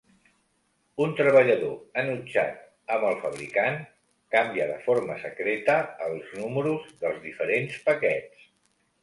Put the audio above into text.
Un treballador enutjat amb el fabricant canvia de forma secreta els números dels diferents paquets.